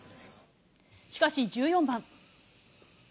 しかし１４番。